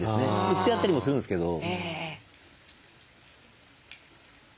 売ってあったりもするんですけど。